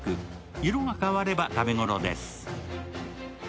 色が変われば食べ頃です。